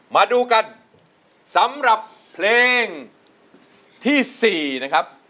มาดูกันสำหรับเพลงที่๔นะครับ